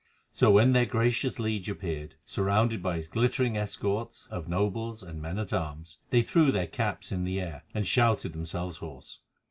So when their gracious liege appeared, surrounded by his glittering escort of nobles and men at arms, they threw their caps into the air, and shouted themselves hoarse.